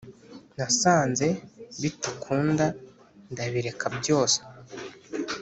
Nasanze bitakunda ndabireka byose